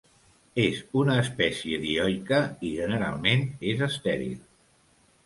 És una espècie dioica i generalment és estèril.